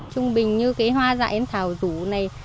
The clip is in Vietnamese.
trung bình như cái hoa dại em thảo rủ này